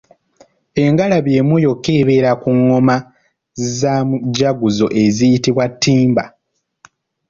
Engalabi emu yokka ebeera ku ngoma za mujaguzo eyitibwa Ttimba.